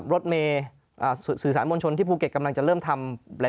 รถเมย์สื่อสารมวลชนที่ภูเก็ตกำลังจะเริ่มทำ